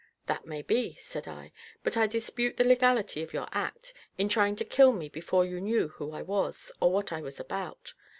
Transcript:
"That may be," said I; "but I dispute the legality of your act, in trying to kill me before you knew who I was, or what I was about.